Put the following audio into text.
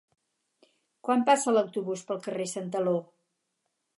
Quan passa l'autobús pel carrer Santaló?